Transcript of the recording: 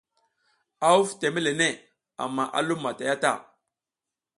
A huv teme le neʼe amma a lum matay a ta.